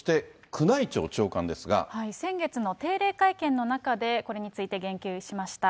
先月の定例会見の中で、これについて言及しました。